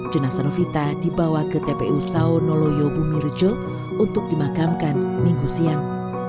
jenazah novita dibawa ke tpu sao noloyo bumirejo untuk dimakamkan minggu siang